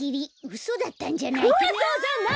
うそだったんじゃないかな。